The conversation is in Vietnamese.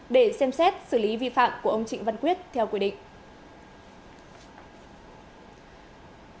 để xem xét xử lý vi phạm của ông trịnh văn quyết theo quy định